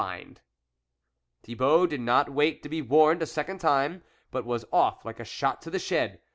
Thibault did not wait to be warned a second time, but was off like a shot to the shed.